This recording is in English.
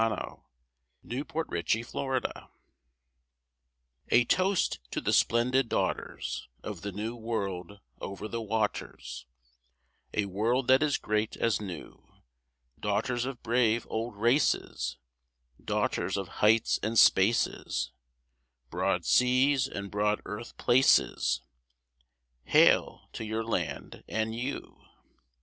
TO THE WOMEN OF AUSTRALIA A toast to the splendid daughters Of the New World over the waters, A world that is great as new; Daughters of brave old races, Daughters of heights and spaces, Broad seas and broad earth places— Hail to your land and you!